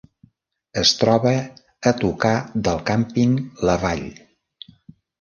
Es troba a tocar del càmping La Vall.